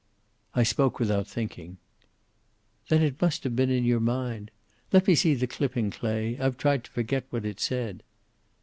"I spoke without thinking." "Then it must have been in your mind. Let me see the clipping, Clay. I've tried to forget what it said."